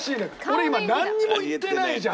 俺今なんにも言ってないじゃん！